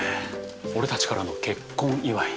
俺たちからの結婚祝い。